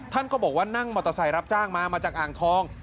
ท่านก็บอกว่านั่งมอเตอร์ไซค์รับจ้างมามาจากอ่างทอง